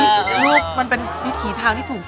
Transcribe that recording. อู้ยยยยยลูกมันเป็นนิถีทางที่ถูกต้อง